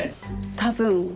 多分。